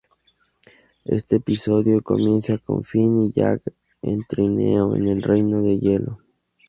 Este episodio comienza con Finn y Jake, en trineo en el Reino de Hielo.